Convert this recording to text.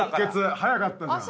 早かったじゃん。